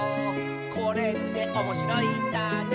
「これっておもしろいんだね」